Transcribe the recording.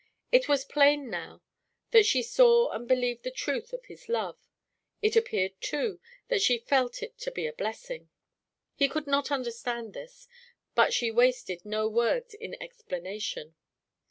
It was plain that now she saw and believed the truth of his love; it appeared, too, that she felt it to be a blessing. He could not understand this, but she wasted no words in explanation.